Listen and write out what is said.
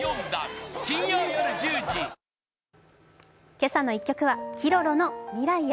「けさの１曲」はＫｉｒｏｒｏの「未来へ」。